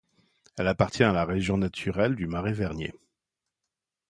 Elle appartient à la région naturelle du Marais-Vernier.